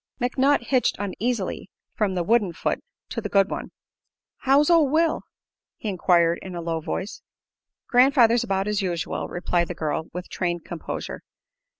McNutt hitched uneasily from the wooden foot to the good one. "How's ol' Will?" he enquired, in a low voice. "Grandfather's about as usual," replied the girl, with trained composure.